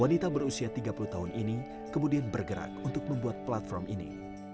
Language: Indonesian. wanita berusia tiga puluh tahun ini kemudian bergerak untuk membuat platform ini